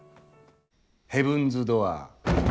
ヘブンズ・ドアー。